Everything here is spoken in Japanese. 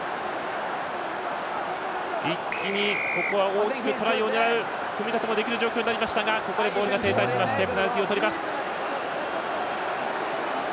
一気にここは大きくトライを狙う組み立てもできる状況になりましたがここでモールが停滞してペナルティをとります。